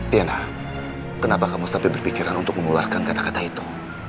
tiana kenapa kamu sampai berpikiran untuk mengeluarkan kata kata itu